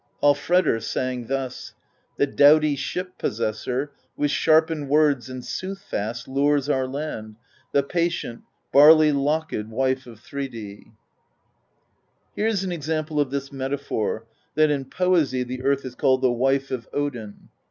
Hallfredr sang thus: The doughty ship possessor With sharpened words and soothfast Lures our land, the patient. Barley locked Wife of Thridi. Here is an example of this metaphor, that in poesy the earth is called the Wife of Odin.